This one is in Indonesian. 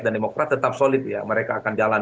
dan demokra tetap solid ya mereka akan jalan